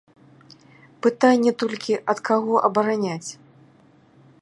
Пытанне толькі, ад каго абараняць?